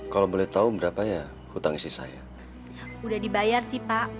tolong sampein ya ke istrinya bapak